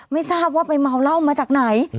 ไม่ทราบว่าไปเมาเหล้ามาจากไหน